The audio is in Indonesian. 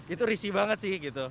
itu risih banget sih gitu